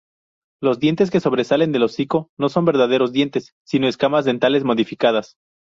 Los dientes que sobresalen del hocico no son verdaderos dientes, sino escamas dentales modificadas.